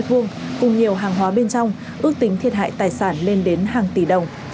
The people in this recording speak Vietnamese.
cùng nhiều hàng hóa bên trong ước tính thiệt hại tài sản lên đến hàng tỷ đồng